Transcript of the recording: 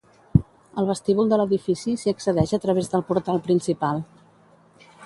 Al vestíbul de l'edifici s'hi accedeix a través del portal principal.